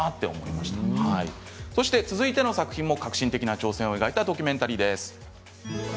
そして続いての作品も革新的な挑戦を描いたドキュメンタリーです。